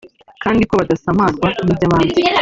kandi ko badasamazwa n’iby’abandi